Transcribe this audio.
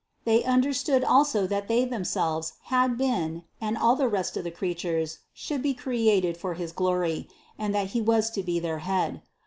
They understood also that they themselves had been, and all the rest of the crea tures should be created for his glory, and that He was to be their Head.